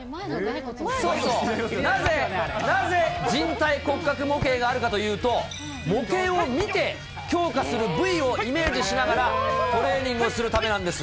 そうそう、なぜ人体骨格模型があるかというと、模型を見て、強化する部位をイメージしながらトレーニングをするためなんです。